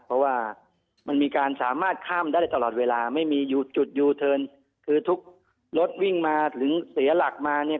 เพราะว่ามันมีการสามารถข้ามได้ตลอดเวลาไม่มีจุดคือทุกรถวิ่งมาหรือเสียหลักมาเนี่ย